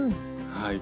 はい。